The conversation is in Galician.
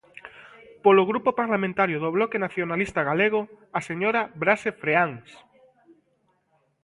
Polo Grupo Parlamentario do Bloque Nacionalista Galego, a señora Braxe Freáns.